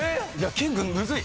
キングむずい。